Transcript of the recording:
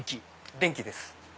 電気です。